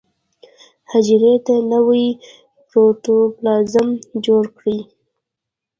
حجرې ته نوی پروتوپلازم جوړ کړي.